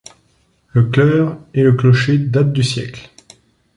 Le chœur et le clocher datent du siècle.